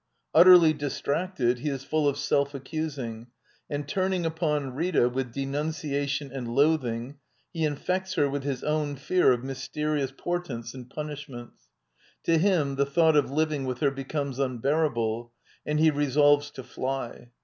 Ut terly distracted, he is full of self accusing, and turn ing upon Rita, with denunciation and loathing, he infects her with his own fear of mysterious portents zii d by Google « INTRODUCTION A and punishments. To him the thought of living / with her becomes unbearable, and he resolves to fly.